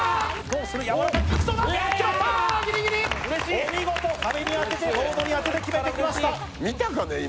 お見事、壁に当てて、ボードに当てて決めてきました。